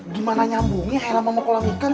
gimana nyambungnya helen sama kolam ikan